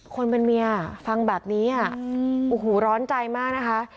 คนเป็นเมียฟังแบบนี้โอ้โหร้อนใจมากนะคะ